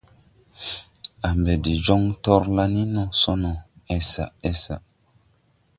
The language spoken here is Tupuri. À mbɛ de joŋ torlan ni ne so no, esa esa.